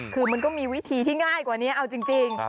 คือมันก็มีวิธีที่ง่ายกว่านี้เอาจริง